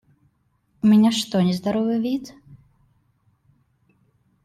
У меня что - нездоровый вид?